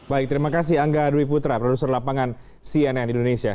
baik terima kasih angga dwi putra produser lapangan cnn indonesia